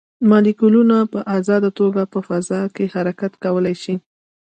مالیکولونه په ازاده توګه په فضا کې حرکت کولی شي.